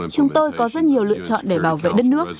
chúng tôi có rất nhiều lựa chọn để bảo vệ đất nước